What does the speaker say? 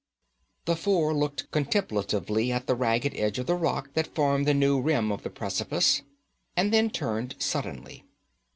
The four looked contemplatively at the ragged edge of rock that formed the new rim of the precipice, and then turned suddenly.